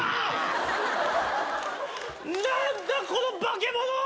何だこの化け物！？